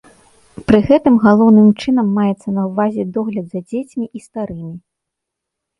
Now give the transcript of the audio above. Пры гэтым галоўным чынам маецца на ўвазе догляд за дзецьмі і старымі.